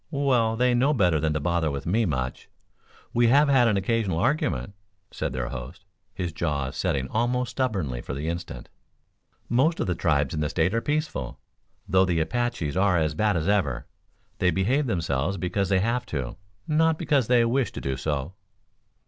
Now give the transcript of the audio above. "Well, they know better than to bother with me much. We have had an occasional argument," said their host, his jaws setting almost stubbornly for the instant. "Most of the tribes in the state are peaceful, though the Apaches are as bad as ever. They behave themselves because they have to, not because they wish to do so."